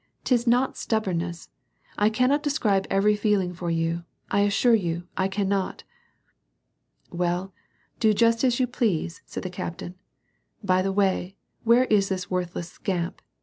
'tis not stubbornness ! I cannot describe every feeling for you, I assure you, I cannot." "Well, do just as you please," said the captain. "By the way, where is this worthless scamp